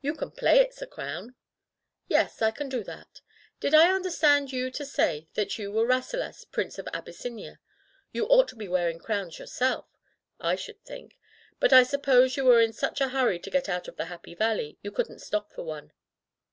*'You can play it's a crown." "Yes, I can do that. Did I understand you to say you were Rasselas, Prince of Abys sinia ? You ought to be wearing crowns your self, I should think, but I suppose you were in such a hurry to get out of the Happy Val ley you couldn't stop for one."